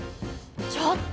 ちょっと！